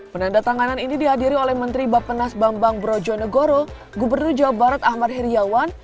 penandatanganan ini dihadiri oleh menteri bapenas bambang brojonegoro gubernur jawa barat ahmad heriawan